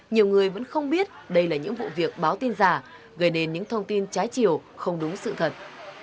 nhiều người vẫn không biết đây là những vụ việc báo tin giả gây nên những thông tin trái chiều không đúng sự thật